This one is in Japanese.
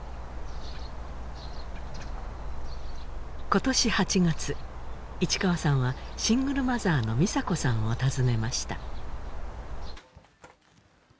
今年８月市川さんはシングルマザーの美砂子さんを訪ねました